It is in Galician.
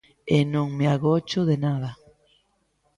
E non me agocho de nada.